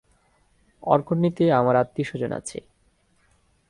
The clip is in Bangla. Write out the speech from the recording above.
অর্কনিতে আমার আত্মীয়স্বজন আছে।